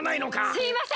すいません！